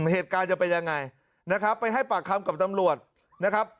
เหตุการณ์จะเป็นยังไงนะครับไปให้ปากคำกับตำรวจนะครับ